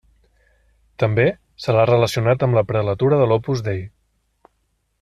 També se l'ha relacionat amb la prelatura de l'Opus Dei.